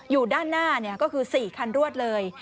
อยู่ด้านหน้าก็คือ๔คันรวดเลย